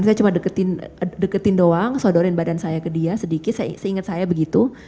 saya cuma deketin doang sodorin badan saya ke dia sedikit seingat saya begitu